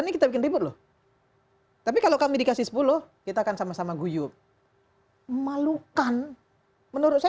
ini kita bikin ribut loh tapi kalau kami dikasih sepuluh kita akan sama sama guyup malukan menurut saya